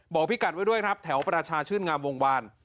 พี่กัดไว้ด้วยครับแถวประชาชื่นงามวงวาน